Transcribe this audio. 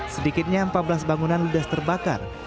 sedikitnya empat belas bangunan ludes terbakar